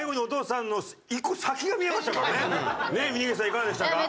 いかがでしたか？